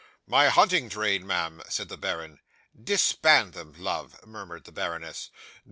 '"My hunting train, ma'am," said the baron. '"Disband them, love," murmured the baroness.